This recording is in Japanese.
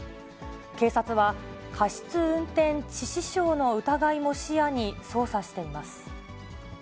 警察は、過失運転致死傷の疑いも視野に捜査しています。